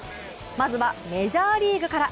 まずはメジャーリーグから。